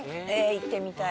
行ってみたい。